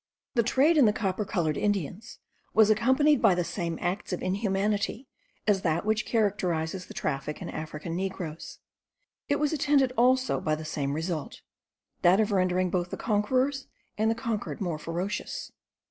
The trade in the copper coloured Indians was accompanied by the same acts of inhumanity as that which characterizes the traffic in African negroes; it was attended also by the same result, that of rendering both the conquerors and the conquered more ferocious.